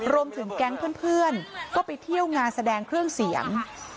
รวมถึงแก๊งเพื่อนก็ไปเที่ยวงานแสดงเครื่องเสียง